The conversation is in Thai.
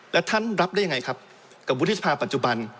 แล้วท่านรับได้ยังไงครับกับวุฒิสภาปัจจุบัน